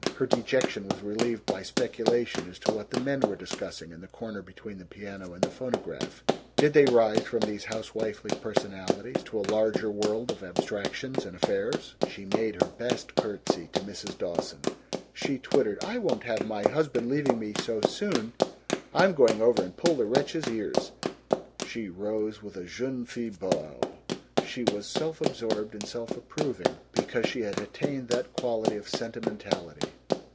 Her dejection was relieved by speculation as to what the men were discussing, in the corner between the piano and the phonograph. Did they rise from these housewifely personalities to a larger world of abstractions and affairs? She made her best curtsy to Mrs. Dawson; she twittered, "I won't have my husband leaving me so soon! I'm going over and pull the wretch's ears." She rose with a jeune fille bow. She was self absorbed and self approving because she had attained that quality of sentimentality.